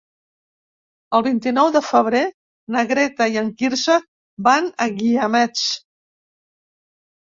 El vint-i-nou de febrer na Greta i en Quirze van als Guiamets.